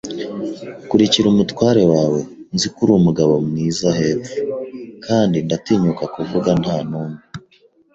kurikira umutware wawe. Nzi ko uri umugabo mwiza hepfo, kandi ndatinyuka kuvuga ntanumwe